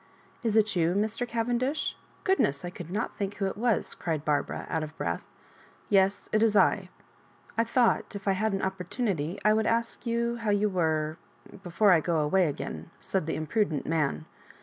"Is it yoo, Mr. Cavendish ? Goodness I I could not think who it was," cried Barbara, out of breath. " Yea, it is L I thought, if I had an opportu nity, I would ask how ybu were — ^before I go away again," said the imprudent man.